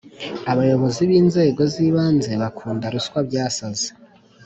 Abayobozi binzego zibanze bakunda ruswa byasaze